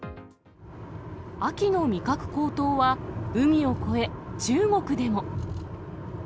秋の味覚高騰は、海を越え、中国でも。